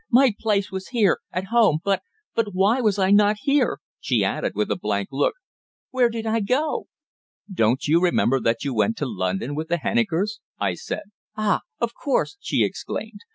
"My place was here at home. But but why was I not here?" she added with a blank look. "Where did I go?" "Don't you remember that you went to London with the Hennikers?" I said. "Ah! of course!" she exclaimed.